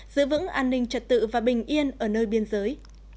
giữ vững an ninh trật tự và bình yên ở nơi biên giới